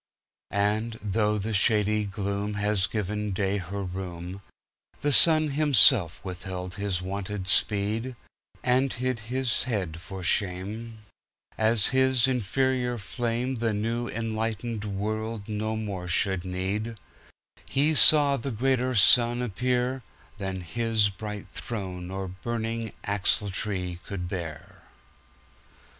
And, though the shady gloomHad given day her room, The sun himself withheld his wonted speed, And hid his head for shame, As his inferior flameThe new enlightened world no more should need:He saw a greater Sun appearThan his bright throne or burning axletree could bear.